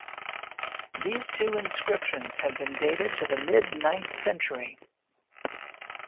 These two inscriptions have been dated to the mid ninth century.